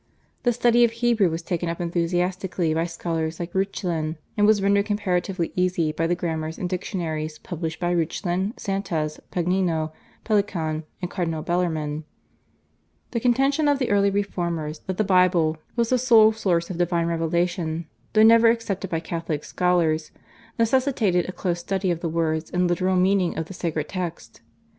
The study of Hebrew was taken up enthusiastically by scholars like Reuchlin, and was rendered comparatively easy by the grammars and dictionaries published by Reuchlin, Santez, Pagnino, Pelikan, and Cardinal Bellarmine. The contention of the early Reformers that the Bible was the sole source of divine revelation, though never accepted by Catholic scholars, necessitated a close study of the words and literal meaning of the sacred text.